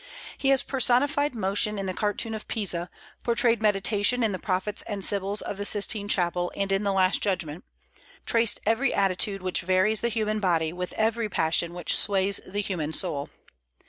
He has personified motion in the cartoon of Pisa, portrayed meditation in the prophets and sibyls of the Sistine Chapel and in the Last Judgment, traced every attitude which varies the human body, with every passion which sways the human soul."